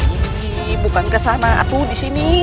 ini bukan kesana atuh disini